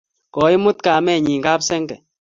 Koimut kamennyi kap senge